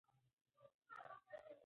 که ټولګی ګرم وي نو زده کړه ګرانه وي.